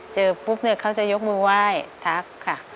ปุ๊บเนี่ยเขาจะยกมือไหว้ทักค่ะ